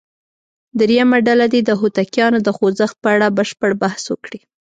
درېمه ډله دې د هوتکیانو د خوځښت په اړه بشپړ بحث وکړي.